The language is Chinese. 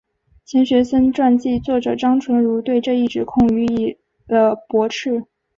钱学森传记作者张纯如对这一指控予以了驳斥。